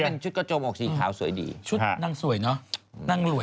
นั่งสวยนะ